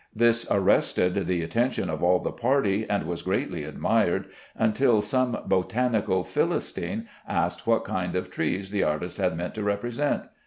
This arrested the attention of all the party, and was greatly admired, until some botanical Philistine asked what kind of trees the artist had meant to represent.